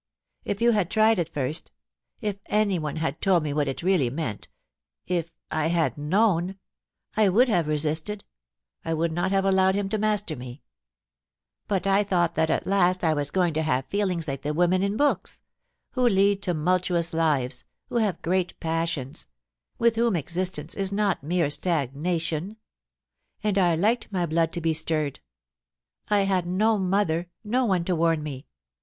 If you had tried at first — if an)one had told me what it really meant — if I had known — I would have resisted — I would not have allowed him to master me ; but I thought that at last I was going to have feelings like the women in books — who lead tumultuous lives, who have great passions — with whom ex istence is not mere stagnation ; and I liked my blood to be stirred I had no mother; no one to warn me.